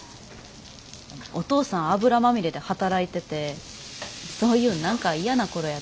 お父さん油まみれで働いててそういうん何か嫌な頃やったし。